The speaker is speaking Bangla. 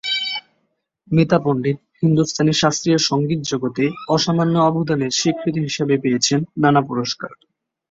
মিতা পণ্ডিত হিন্দুস্তানি শাস্ত্রীয় সংগীত জগতে অসামান্য অবদানের স্বীকৃতি হিসেবে পেয়েছেন নানা পুরস্কার।